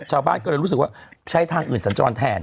ชาวบ้านก็เลยรู้สึกว่าใช้ทางอื่นสัญจรแทน